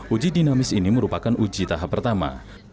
uji dinamis ini merupakan uji tahap pertama